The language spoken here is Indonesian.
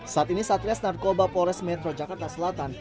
saat ini satres narkoba pores metro jakarta selatan